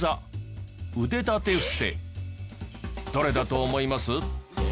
どれだと思います？